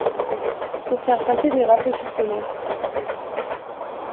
Pour faire passer des rafraîchissements…